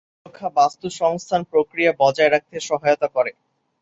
সুরক্ষা বাস্তুসংস্থান প্রক্রিয়া বজায় রাখতে সহায়তা করে।